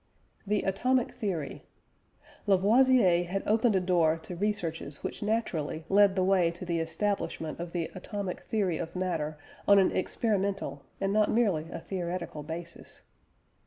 THE ATOMIC THEORY. Lavoisier had opened a door to researches which naturally led the way to the establishment of the atomic theory of matter on an experimental, and not merely a theoretical basis.